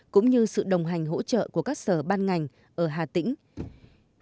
cũng như sự đồng hành hỗ trợ của các sở ban ngành ở hà tĩnh